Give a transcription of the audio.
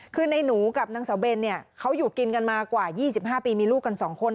คือในหนูกับนางสาวเบนเนี่ยเขาอยู่กินกันมากว่า๒๕ปีมีลูกกัน๒คน